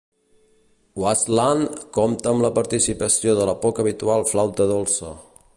"Wasteland" compta amb la participació de la poc habitual flauta dolça.